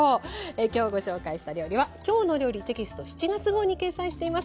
今日ご紹介した料理は「きょうの料理」テキスト７月号に掲載しています。